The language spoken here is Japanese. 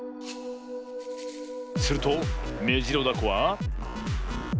するとメジロダコは。